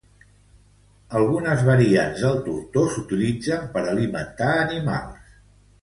Algunes variants del tortó s'utilitzen per alimentar animals.